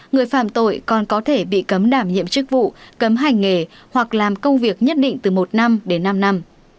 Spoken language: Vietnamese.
người phạm tội còn có thể bị cấm đảm nhiệm chức vụ cấm hành nghề hoặc làm công việc nhất định từ một năm đến năm năm